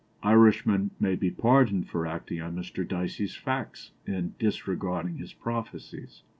Irishmen may be pardoned for acting on Mr. Dicey's facts, and disregarding his prophecies.